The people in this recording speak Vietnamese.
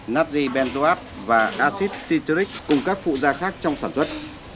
nazi benzoate và acid citric cùng các phụ gia khác trong sản xuất